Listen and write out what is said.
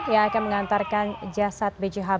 yang akan mengantarkan jasad